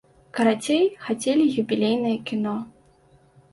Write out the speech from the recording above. Карацей, хацелі юбілейнае кіно.